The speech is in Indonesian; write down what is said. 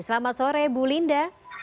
selamat sore bu linda